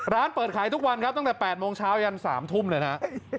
ร้านเปิดขายทุกวันครับตั้งแต่๘โมงเช้ายัน๓ทุ่มเลยนะ